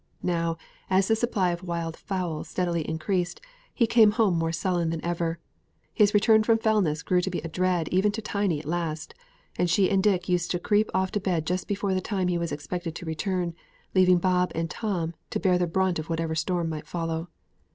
Now, as the supply of wild fowl steadily increased, he came home more sullen than ever. His return from Fellness grew to be a dread even to Tiny at last; and she and Dick used to creep off to bed just before the time he was expected to return, leaving Bob and Tom to bear the brunt of whatever storm might follow.